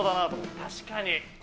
確かに。